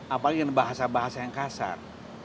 apalagi dengan bahasa bahasa yang kasar